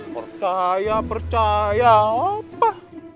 percaya percaya apa